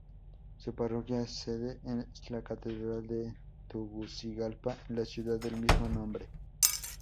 Su parroquia sede es la Catedral de Tegucigalpa en la ciudad del mismo nombre.